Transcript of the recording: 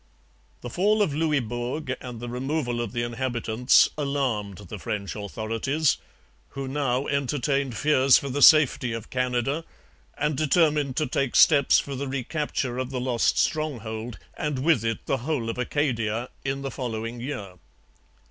The fall of Louisbourg and the removal of the inhabitants alarmed the French authorities, who now entertained fears for the safety of Canada and determined to take steps for the recapture of the lost stronghold, and with it the whole of Acadia, in the following year.